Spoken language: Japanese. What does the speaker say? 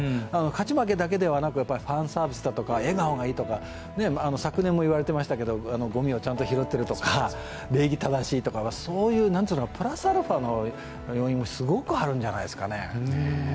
勝ち負けだけではなくファンサービスだとか笑顔がいいとか、昨年も言われていましたけれども、ごみをちゃんと拾っているとか、礼儀正しいとか、そういうプラスアルファの要因もすごくあるんじゃないですかね。